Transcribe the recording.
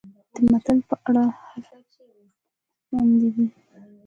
د متل په اړه هر اړخیز معلومات وړاندې شوي دي